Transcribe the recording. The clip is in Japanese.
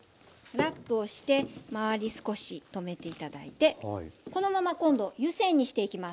ラップをして周り少し止めて頂いてこのまま今度湯煎にしていきます。